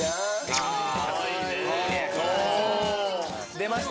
出ました？